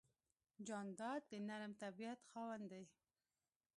جانداد د نرم طبیعت خاوند دی.